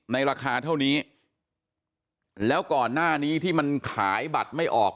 ราคาเท่านี้แล้วก่อนหน้านี้ที่มันขายบัตรไม่ออก